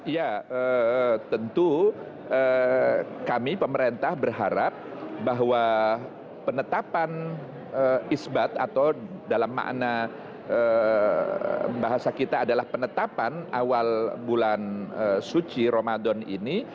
ya tentu kami pemerintah berharap bahwa penetapan isbat atau dalam makna bahasa kita adalah penetapan awal bulan suci ramadan ini